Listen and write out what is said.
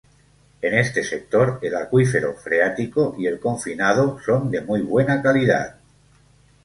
En este sector, el acuífero freático y el confinado son de muy buena calidad.